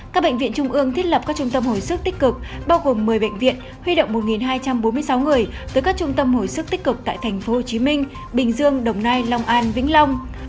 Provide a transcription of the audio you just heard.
các bệnh viện trung ương thiết lập các trung tâm hồi sức tích cực bao gồm một mươi bệnh viện huy động một hai trăm bốn mươi sáu người tới các trung tâm hồi sức tích cực tại tp hcm bình dương đồng nai long an vĩnh long